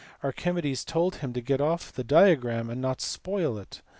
Archimedes told him to get off the diagram, and not spoil it.